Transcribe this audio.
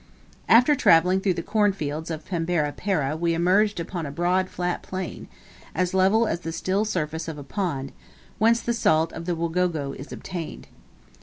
After travelling through the corn fields of Pembera Pereh we emerged upon a broad flat plain, as level as the still surface of a pond, whence the salt of the Wagogo is obtained.